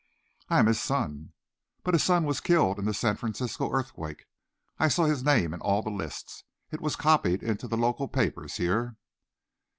"I am his son." "But his son was killed in the San Francisco earthquake. I saw his name in all the lists. It was copied into the local papers here."